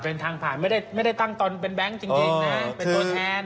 เป็นทางผ่านไม่ได้ตั้งตนเป็นแบงค์จริงนะเป็นตัวแทน